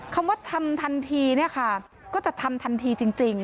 คำว่าทำทันทีเนี่ยค่ะก็จะทำทันทีจริง